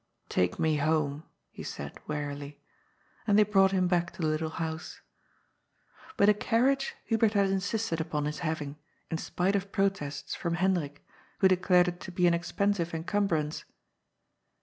^* Take me home," he said wearily. And they brought him back to the little house. But a carriage Hubert had insisted upon his having, in spite of protests from Hendrik, who declared it to be an expensive encumbrance.